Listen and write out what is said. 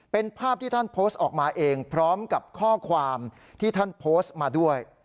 เป็นภาพที่ท่านโพสต์ออกมาเองพร้อมกับข้อความที่ท่านโพสต์มาด้วย